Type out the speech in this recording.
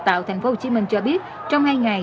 tạo tp hcm cho biết trong hai ngày